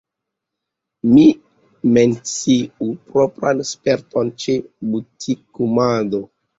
Mi menciu propran sperton ĉe butikumado.